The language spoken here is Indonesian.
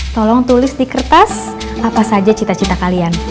tolong tulis di kertas apa saja cita cita kalian